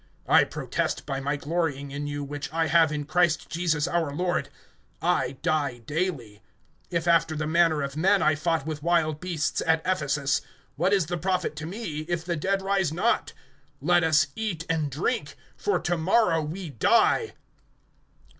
(31)I protest by my glorying in you, which I have in Christ Jesus our Lord, I die daily. (32)If after the manner of men I fought with wild beasts at Ephesus, what is the profit to me, if the dead rise not? Let us eat and drink; For to morrow we die.